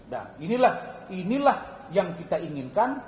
nah inilah inilah yang kita inginkan